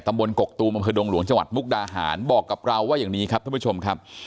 บนกกตูมอำเภอดงหลวงจังหวัดมุกดาหารบอกกับเราว่าอย่างนี้ครับท่านผู้ชมครับ